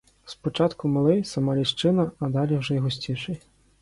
Спочатку малий, сама ліщина, а далі вже й густіший.